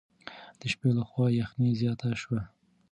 د شپې له خوا یخني زیاته شوه.